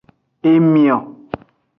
Emio.